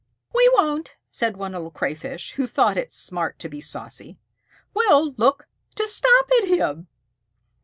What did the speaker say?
"We won't," said one little Crayfish, who thought it smart to be saucy. "We'll look to stop at him."